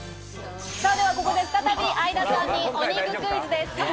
ではここで再び相田さんにお肉クイズです。